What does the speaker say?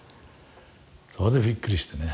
そこでびっくりしてね。